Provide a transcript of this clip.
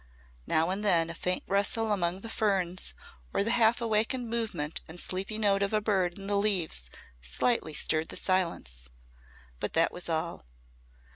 Now and then a faint rustle among the ferns or the half awakened movement and sleepy note of a bird in the leaves slightly stirred the silence, but that was all.